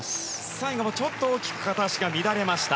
最後、ちょっと大きく片足が乱れました。